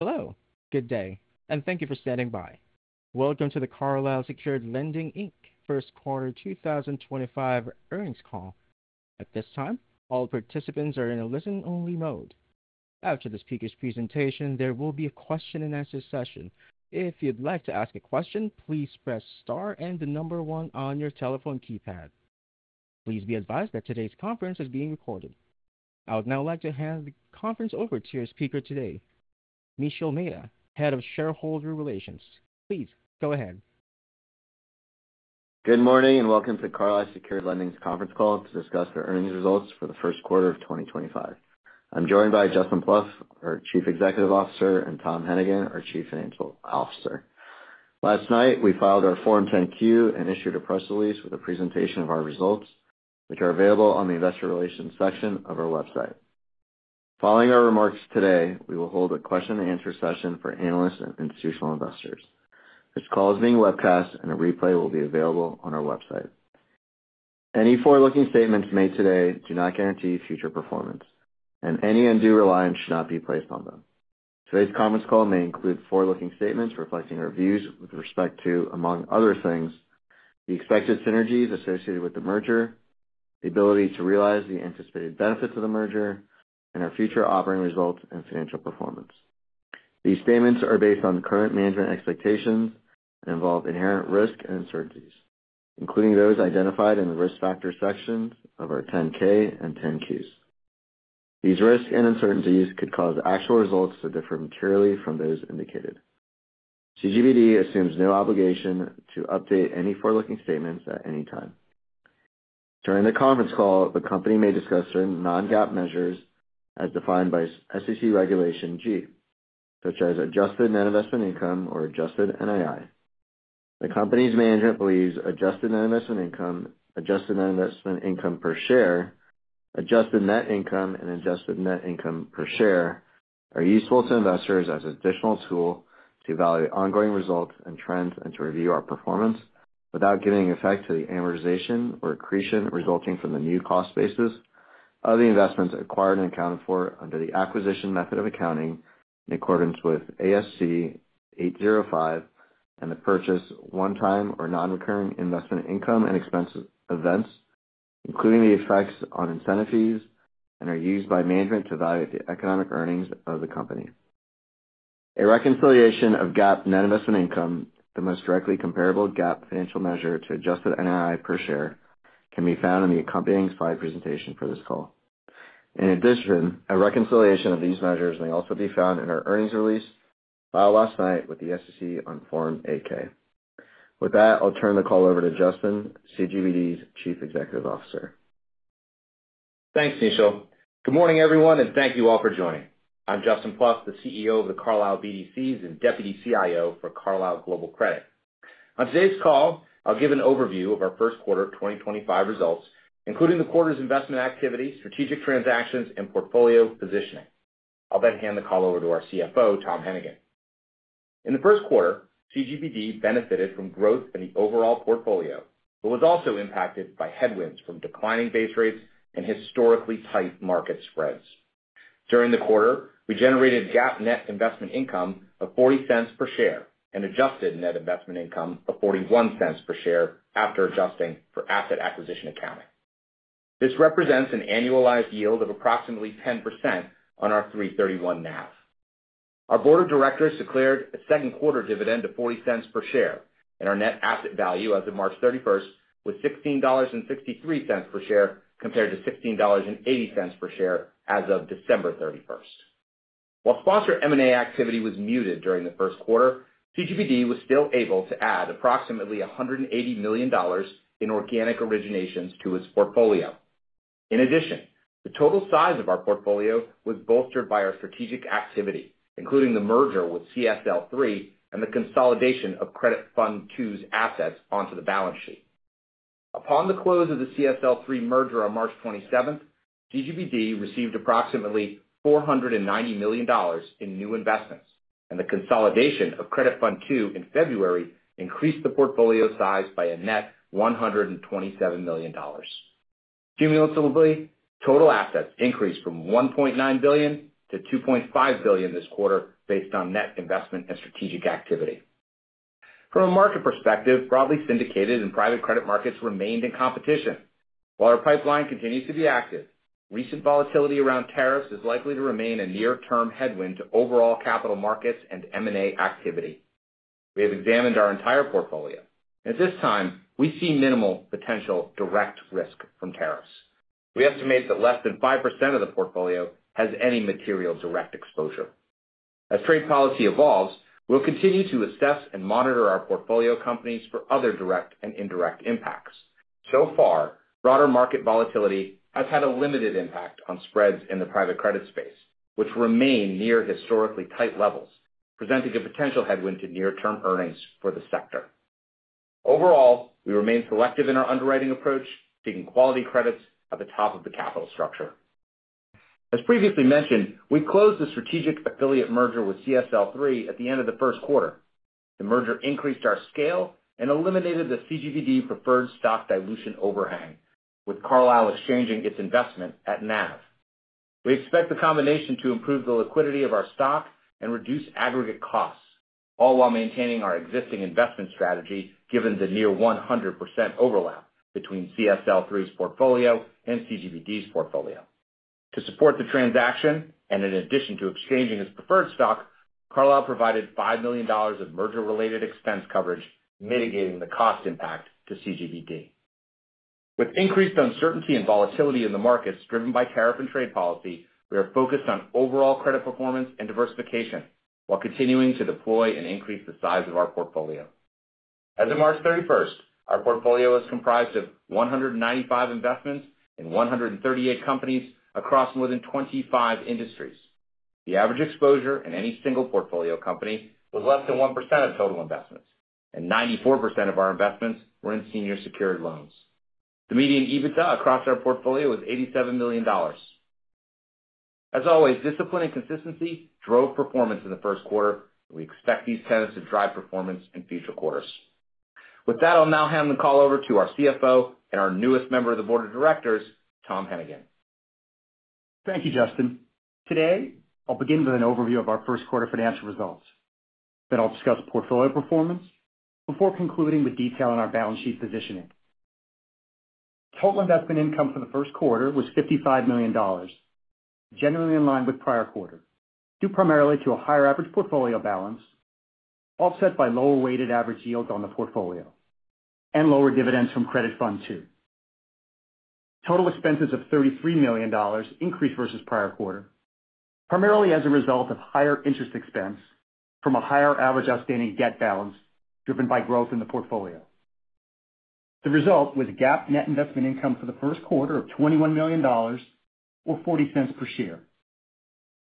Hello. Good day, and thank you for standing by. Welcome to the Carlyle Secured Lending, Inc First Quarter 2025 earnings call. At this time, all participants are in a listen-only mode. After this speaker's presentation, there will be a question-and-answer session. If you'd like to ask a question, please press star and the number one on your telephone keypad. Please be advised that today's conference is being recorded. I would now like to hand the conference over to your speaker today, Nishil Mehta, Head of Shareholder Relations. Please go ahead. Good morning and welcome to Carlyle Secured Lending's conference call to discuss the earnings results for the first quarter of 2025. I'm joined by Justin Plouffe, our Chief Executive Officer, and Tom Hennigan, our Chief Financial Officer. Last night, we filed our Form 10-Q and issued a press release with a presentation of our results, which are available on the Investor Relations section of our website. Following our remarks today, we will hold a question-and-answer session for analysts and institutional investors. This call is being webcast, and a replay will be available on our website. Any forward-looking statements made today do not guarantee future performance, and any undue reliance should not be placed on them. Today's conference call may include forward-looking statements reflecting our views with respect to, among other things, the expected synergies associated with the merger, the ability to realize the anticipated benefits of the merger, and our future operating results and financial performance. These statements are based on current management expectations and involve inherent risk and uncertainties, including those identified in the risk factor sections of our 10-K and 10-Qs. These risks and uncertainties could cause actual results to differ materially from those indicated. CGBD assumes no obligation to update any forward-looking statements at any time. During the conference call, the company may discuss certain non-GAAP measures as defined by SEC Regulation G, such as adjusted net investment income or adjusted NII. The company's management believes adjusted net investment income, adjusted net investment income per share, adjusted net income, and adjusted net income per share are useful to investors as an additional tool to evaluate ongoing results and trends and to review our performance without giving effect to the amortization or accretion resulting from the new cost basis of the investments acquired and accounted for under the acquisition method of accounting in accordance with ASC 805 and the purchase one-time or non-recurring investment income and expense events, including the effects on incentive fees, and are used by management to evaluate the economic earnings of the company. A reconciliation of GAAP net investment income, the most directly comparable GAAP financial measure to adjusted NII per share, can be found in the accompanying slide presentation for this call. In addition, a reconciliation of these measures may also be found in our earnings release filed last night with the SEC on Form 8-K. With that, I'll turn the call over to Justin, CGBD's Chief Executive Officer. Thanks, Nishil. Good morning, everyone, and thank you all for joining. I'm Justin Plouffe, the CEO of the Carlyle BDCs and Deputy CIO for Carlyle Global Credit. On today's call, I'll give an overview of our first quarter 2025 results, including the quarter's investment activity, strategic transactions, and portfolio positioning. I'll then hand the call over to our CFO, Tom Hennigan. In the first quarter, CGBD benefited from growth in the overall portfolio but was also impacted by headwinds from declining base rates and historically tight market spreads. During the quarter, we generated GAAP net investment income of $0.40 per share and adjusted net investment income of $0.41 per share after adjusting for asset acquisition accounting. This represents an annualized yield of approximately 10% on our $16.63 NAV. Our Board of Directors declared a second quarter dividend of $0.40 per share, and our net asset value as of March 31st was $16.63 per share compared to $16.80 per share as of December 31st. While sponsor M&A activity was muted during the first quarter, CGBD was still able to add approximately $180 million in organic originations to its portfolio. In addition, the total size of our portfolio was bolstered by our strategic activity, including the merger with CSL III and the consolidation of Credit Fund II's assets onto the balance sheet. Upon the close of the CSL III merger on March 27th, CGBD received approximately $490 million in new investments, and the consolidation of Credit Fund II in February increased the portfolio size by a net $127 million. Cumulatively, total assets increased from $1.9 billion to $2.5 billion this quarter based on net investment and strategic activity. From a market perspective, broadly syndicated and private credit markets remained in competition. While our pipeline continues to be active, recent volatility around tariffs is likely to remain a near-term headwind to overall capital markets and M&A activity. We have examined our entire portfolio, and at this time, we see minimal potential direct risk from tariffs. We estimate that less than 5% of the portfolio has any material direct exposure. As trade policy evolves, we'll continue to assess and monitor our portfolio companies for other direct and indirect impacts. So far, broader market volatility has had a limited impact on spreads in the private credit space, which remain near historically tight levels, presenting a potential headwind to near-term earnings for the sector. Overall, we remain selective in our underwriting approach, seeking quality credits at the top of the capital structure. As previously mentioned, we closed the strategic affiliate merger with CSL III at the end of the first quarter. The merger increased our scale and eliminated the CGBD preferred stock dilution overhang, with Carlyle exchanging its investment at NAV. We expect the combination to improve the liquidity of our stock and reduce aggregate costs, all while maintaining our existing investment strategy given the near 100% overlap between CSL III's portfolio and CGBD's portfolio. To support the transaction, and in addition to exchanging its preferred stock, Carlyle provided $5 million of merger-related expense coverage, mitigating the cost impact to CGBD. With increased uncertainty and volatility in the markets driven by tariff and trade policy, we are focused on overall credit performance and diversification while continuing to deploy and increase the size of our portfolio. As of March 31st, our portfolio is comprised of 195 investments in 138 companies across more than 25 industries. The average exposure in any single portfolio company was less than 1% of total investments, and 94% of our investments were in senior secured loans. The median EBITDA across our portfolio is $87 million. As always, discipline and consistency drove performance in the first quarter, and we expect these tenets to drive performance in future quarters. With that, I'll now hand the call over to our CFO and our newest member of the Board of Directors, Tom Hennigan. Thank you, Justin. Today, I'll begin with an overview of our first quarter financial results. Then I'll discuss portfolio performance before concluding with detail on our balance sheet positioning. Total investment income for the first quarter was $55 million, generally in line with prior quarter, due primarily to a higher average portfolio balance offset by lower weighted average yields on the portfolio and lower dividends from Credit Fund II. Total expenses of $33 million increased versus prior quarter, primarily as a result of higher interest expense from a higher average outstanding debt balance driven by growth in the portfolio. The result was GAAP net investment income for the first quarter of $21 million, or $0.40 per share,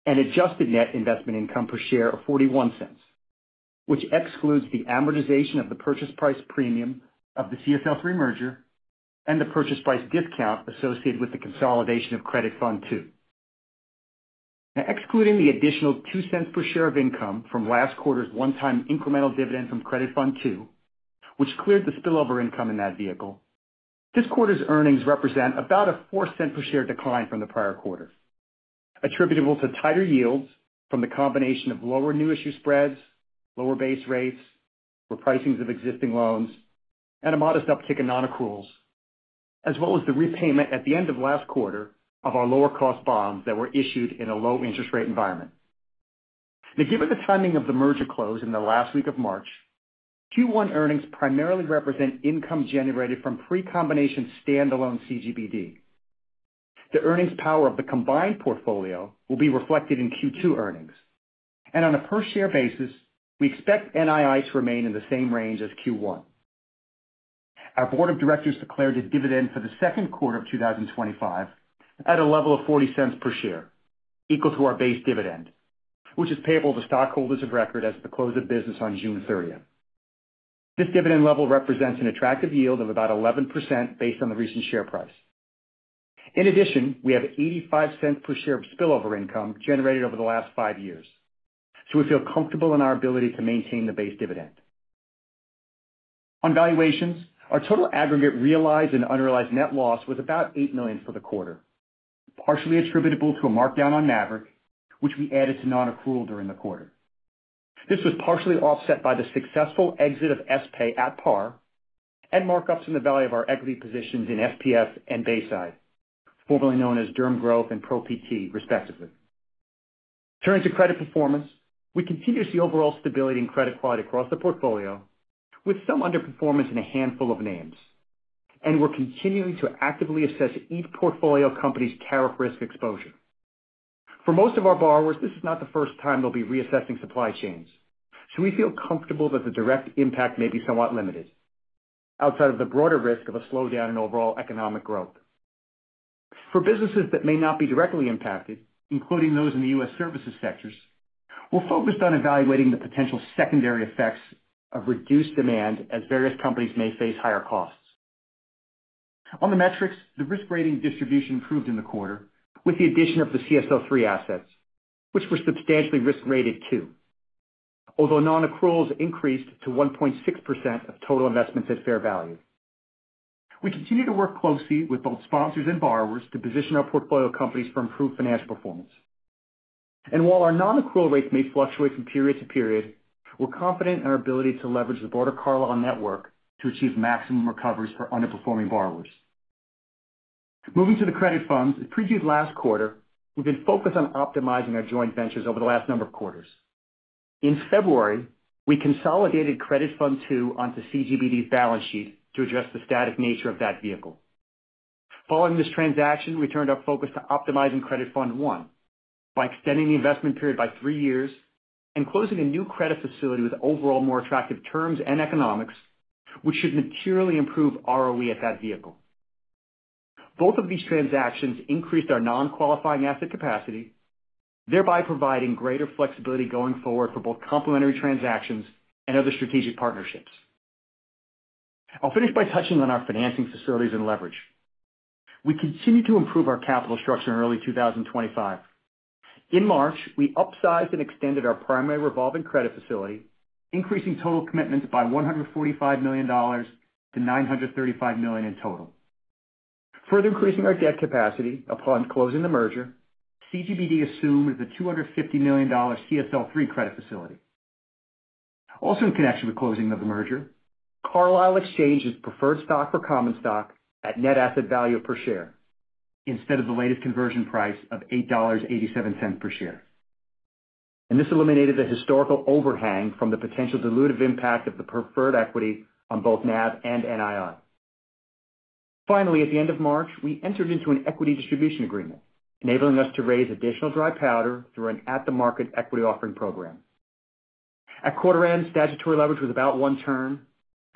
and adjusted net investment income per share of $0.41, which excludes the amortization of the purchase price premium of the CSL III merger and the purchase price discount associated with the consolidation of Credit Fund II. Now, excluding the additional $0.02 per share of income from last quarter's one-time incremental dividend from Credit Fund II, which cleared the spillover income in that vehicle, this quarter's earnings represent about a $0.04 per share decline from the prior quarter, attributable to tighter yields from the combination of lower new issue spreads, lower base rates, repricings of existing loans, and a modest uptick in non-accruals, as well as the repayment at the end of last quarter of our lower-cost bonds that were issued in a low-interest rate environment. Now, given the timing of the merger close in the last week of March, Q1 earnings primarily represent income generated from pre-combination standalone CGBD. The earnings power of the combined portfolio will be reflected in Q2 earnings, and on a per-share basis, we expect NII to remain in the same range as Q1. Our Board of Directors declared a dividend for the second quarter of 2025 at a level of $0.40 per share, equal to our base dividend, which is payable to stockholders of record as the close of business on June 30th. This dividend level represents an attractive yield of about 11% based on the recent share price. In addition, we have $0.85 per share of spillover income generated over the last five years, so we feel comfortable in our ability to maintain the base dividend. On valuations, our total aggregate realized and unrealized net loss was about $8 million for the quarter, partially attributable to a markdown on Maverick, which we added to non-accrual during the quarter. This was partially offset by the successful exit of SPAY at par and markups in the value of our equity positions in SPF and Bayside, formerly known as DermGrowth and ProPT, respectively. Turning to credit performance, we continue to see overall stability in credit quality across the portfolio, with some underperformance in a handful of names, and we're continuing to actively assess each portfolio company's tariff risk exposure. For most of our borrowers, this is not the first time they'll be reassessing supply chains, so we feel comfortable that the direct impact may be somewhat limited outside of the broader risk of a slowdown in overall economic growth. For businesses that may not be directly impacted, including those in the U.S. services sectors, we're focused on evaluating the potential secondary effects of reduced demand as various companies may face higher costs. On the metrics, the risk rating distribution improved in the quarter with the addition of the CSL III assets, which were substantially risk-rated too, although non-accruals increased to 1.6% of total investments at fair value. We continue to work closely with both sponsors and borrowers to position our portfolio companies for improved financial performance. While our non-accrual rates may fluctuate from period to period, we're confident in our ability to leverage the broader Carlyle network to achieve maximum recoveries for underperforming borrowers. Moving to the credit funds, as previewed last quarter, we've been focused on optimizing our joint ventures over the last number of quarters. In February, we consolidated Credit Fund II onto CGBD's balance sheet to address the static nature of that vehicle. Following this transaction, we turned our focus to optimizing Credit Fund I by extending the investment period by three years and closing a new credit facility with overall more attractive terms and economics, which should materially improve ROE at that vehicle. Both of these transactions increased our non-qualifying asset capacity, thereby providing greater flexibility going forward for both complementary transactions and other strategic partnerships. I'll finish by touching on our financing facilities and leverage. We continue to improve our capital structure in early 2025. In March, we upsized and extended our primary revolving credit facility, increasing total commitments by $145 million to $935 million in total. Further increasing our debt capacity upon closing the merger, CGBD assumed the $250 million CSL III credit facility. Also, in connection with closing of the merger, Carlyle exchanged its preferred stock for common stock at net asset value per share instead of the latest conversion price of $8.87 per share. This eliminated the historical overhang from the potential dilutive impact of the preferred equity on both NAV and NII. Finally, at the end of March, we entered into an equity distribution agreement, enabling us to raise additional dry powder through an at-the-market equity offering program. At quarter-end, statutory leverage was about one turn,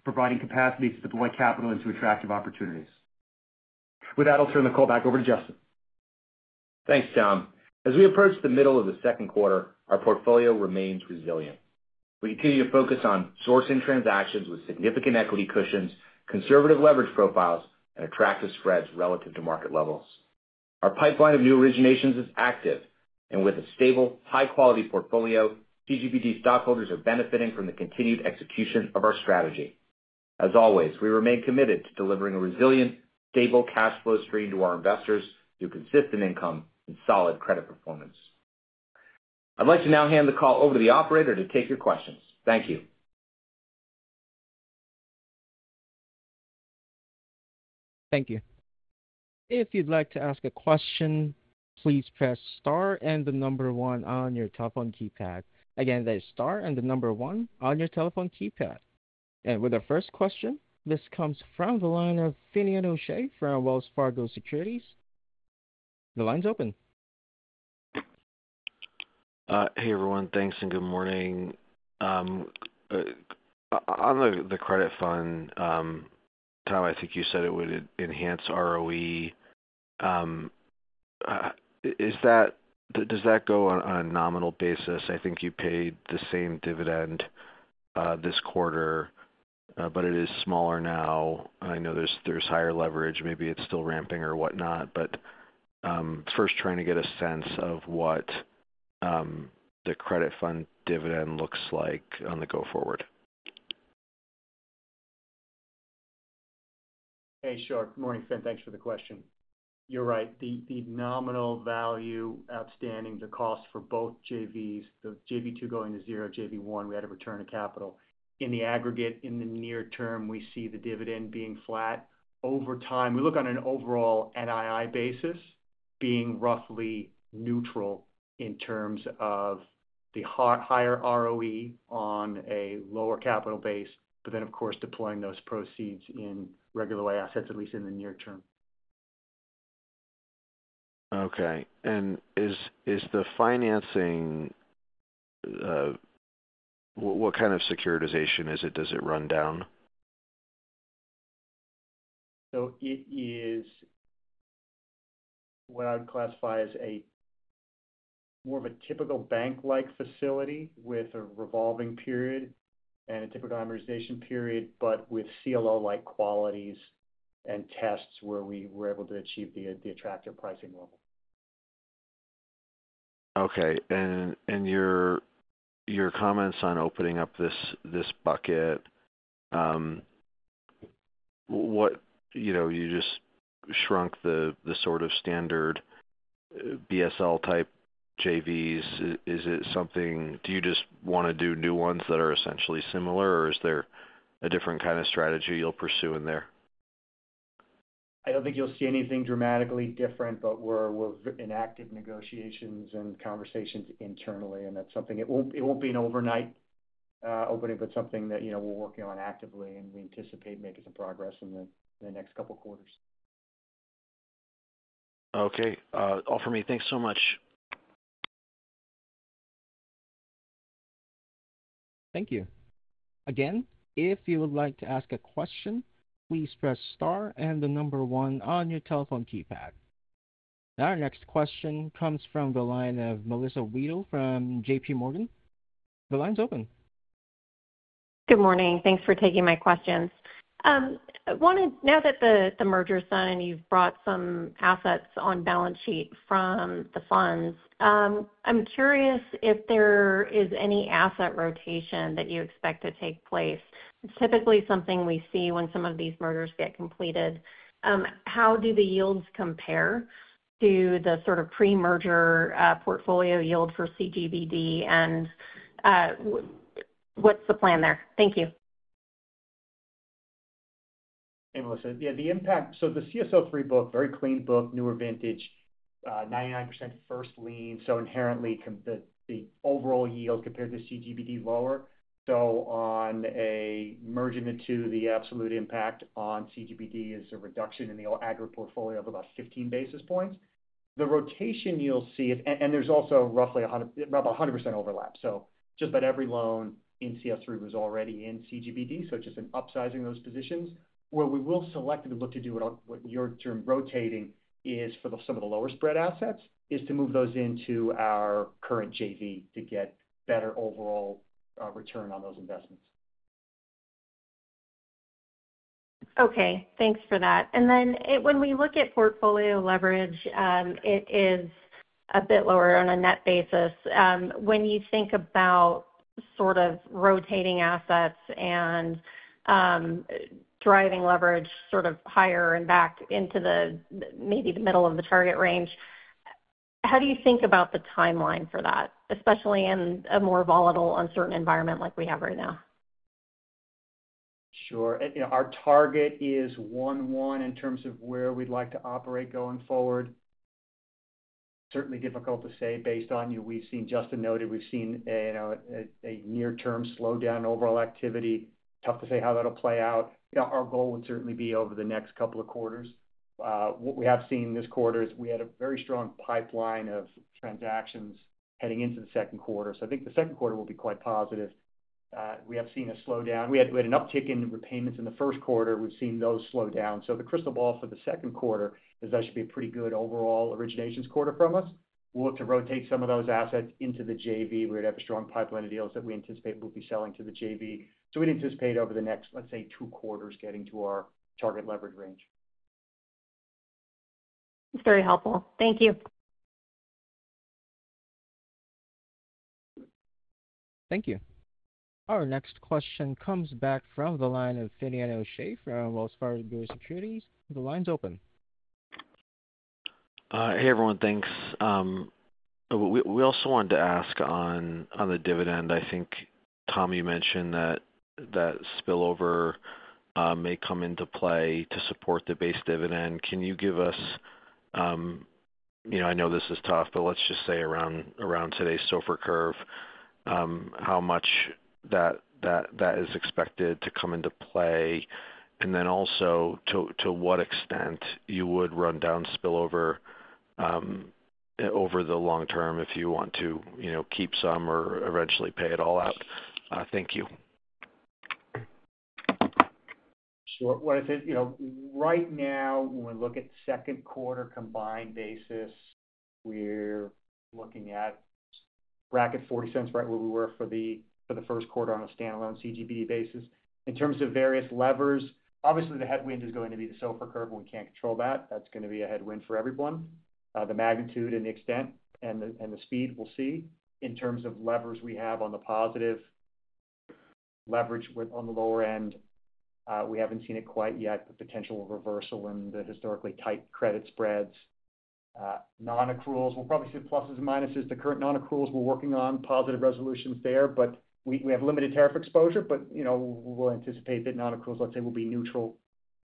providing capacity to deploy capital into attractive opportunities. With that, I'll turn the call back over to Justin. Thanks, Tom. As we approach the middle of the second quarter, our portfolio remains resilient. We continue to focus on sourcing transactions with significant equity cushions, conservative leverage profiles, and attractive spreads relative to market levels. Our pipeline of new originations is active, and with a stable, high-quality portfolio, CGBD stockholders are benefiting from the continued execution of our strategy. As always, we remain committed to delivering a resilient, stable cash flow stream to our investors through consistent income and solid credit performance. I'd like to now hand the call over to the operator to take your questions. Thank you. Thank you. If you'd like to ask a question, please press star and the number one on your telephone keypad. Again, that is star and the number one on your telephone keypad. With our first question, this comes from the line of Finian O'Shea from Wells Fargo Securities. The line's open. Hey, everyone. Thanks and good morning. On the Credit Fund, Tom, I think you said it would enhance ROE. Does that go on a nominal basis? I think you paid the same dividend this quarter, but it is smaller now. I know there's higher leverage. Maybe it's still ramping or whatnot, but first, trying to get a sense of what the credit fund dividend looks like on the go-forward. Hey, sure. Good morning, Fin. Thanks for the question. You're right. The nominal value outstanding, the cost for both JVs, the JV2 going to zero, JV1, we had a return of capital. In the aggregate, in the near term, we see the dividend being flat. Over time, we look on an overall NII basis being roughly neutral in terms of the higher ROE on a lower capital base, but then, of course, deploying those proceeds in regular way assets, at least in the near term. Okay. Is the financing—what kind of securitization is it? Does it run down? It is what I would classify as more of a typical bank-like facility with a revolving period and a typical amortization period, but with CLO-like qualities and tests where we were able to achieve the attractive pricing level. Okay. Your comments on opening up this bucket, you just shrunk the sort of standard BSL-type JVs. Is it something—do you just want to do new ones that are essentially similar, or is there a different kind of strategy you'll pursue in there? I don't think you'll see anything dramatically different, but we're in active negotiations and conversations internally, and it won't be an overnight opening, but something that we're working on actively, and we anticipate making some progress in the next couple of quarters. Okay. All for me. Thanks so much. Thank you. Again, if you would like to ask a question, please press star and the number one on your telephone keypad. Our next question comes from the line of Melissa Wedel from JPMorgan. The line's open. Good morning. Thanks for taking my questions. Now that the merger is done and you've brought some assets on balance sheet from the funds, I'm curious if there is any asset rotation that you expect to take place. It's typically something we see when some of these mergers get completed. How do the yields compare to the sort of pre-merger portfolio yield for CGBD, and what's the plan there? Thank you. Hey, Melissa. Yeah, the impact—so the CSL III book, very clean book, newer vintage, 99% first lien, so inherently the overall yield compared to CGBD lower. On a merge into two, the absolute impact on CGBD is a reduction in the aggregate portfolio of about 15 basis points. The rotation you'll see—and there's also roughly about 100% overlap. Just about every loan in CSL III was already in CGBD, so it's just an upsizing of those positions. Where we will selectively look to do what your term rotating is for some of the lower spread assets is to move those into our current JV to get better overall return on those investments. Okay. Thanks for that. When we look at portfolio leverage, it is a bit lower on a net basis. When you think about sort of rotating assets and driving leverage higher and back into maybe the middle of the target range, how do you think about the timeline for that, especially in a more volatile, uncertain environment like we have right now? Sure. Our target is one-to-one in terms of where we'd like to operate going forward. Certainly difficult to say based on—we've seen, Justin noted, we've seen a near-term slowdown in overall activity. Tough to say how that'll play out. Our goal would certainly be over the next couple of quarters. What we have seen this quarter is we had a very strong pipeline of transactions heading into the second quarter. I think the second quarter will be quite positive. We have seen a slowdown. We had an uptick in repayments in the first quarter. We've seen those slow down. The crystal ball for the second quarter is that should be a pretty good overall originations quarter from us. We'll look to rotate some of those assets into the JV. We would have a strong pipeline of deals that we anticipate we'll be selling to the JV. We'd anticipate over the next, let's say, two quarters getting to our target leverage range. That's very helpful. Thank you. Thank you. Our next question comes back from the line of Finian O'Shea from Wells Fargo Securities. The line's open. Hey, everyone. Thanks. We also wanted to ask on the dividend. I think, Tom, you mentioned that spillover may come into play to support the base dividend. Can you give us—I know this is tough, but let's just say around today's SOFR curve—how much that is expected to come into play, and then also to what extent you would run down spillover over the long term if you want to keep some or eventually pay it all out. Thank you. Sure. What I said, right now, when we look at second quarter combined basis, we're looking at about $0.40, right where we were for the first quarter on a standalone CGBD basis. In terms of various levers, obviously, the headwind is going to be the SOFR curve, and we can't control that. That's going to be a headwind for everyone. The magnitude and the extent and the speed we'll see. In terms of levers, we have on the positive leverage on the lower end. We haven't seen it quite yet, but potential reversal in the historically tight credit spreads. Non-accruals, we'll probably see pluses and minuses. The current non-accruals, we're working on positive resolutions there, but we have limited tariff exposure, but we'll anticipate that non-accruals, let's say, will be neutral.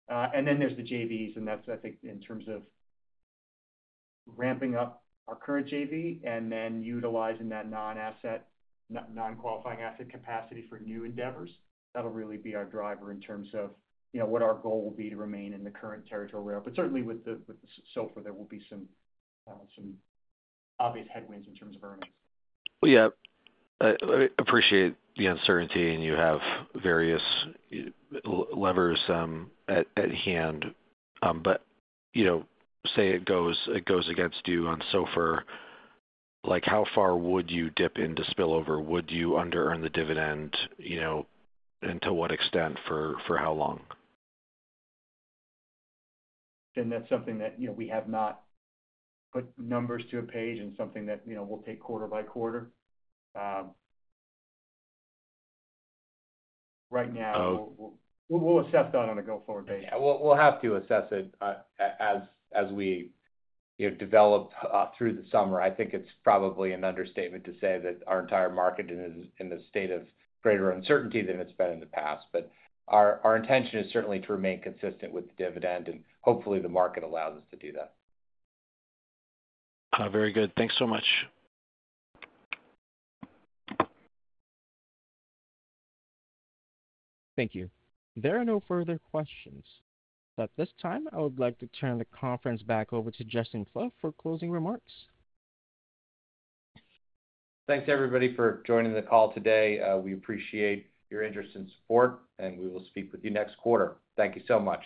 There are the JVs, and that's, I think, in terms of ramping up our current JV and then utilizing that non-qualifying asset capacity for new endeavors. That'll really be our driver in terms of what our goal will be to remain in the current territory we're at. Certainly, with the SOFR, there will be some obvious headwinds in terms of earnings. Yeah. I appreciate the uncertainty, and you have various levers at hand. But say it goes against you on SOFR, how far would you dip into spillover? Would you under-earn the dividend? And to what extent? For how long? That is something that we have not put numbers to a page and something that we will take quarter by quarter. Right now, we will assess that on a go-forward basis. Yeah. We'll have to assess it as we develop through the summer. I think it's probably an understatement to say that our entire market is in a state of greater uncertainty than it's been in the past. Our intention is certainly to remain consistent with the dividend, and hopefully, the market allows us to do that. Very good. Thanks so much. Thank you. There are no further questions. At this time, I would like to turn the conference back over to Justin Plouffe for closing remarks. Thanks, everybody, for joining the call today. We appreciate your interest and support, and we will speak with you next quarter. Thank you so much.